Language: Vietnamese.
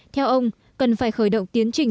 theo ông cần phải khởi động tiến trình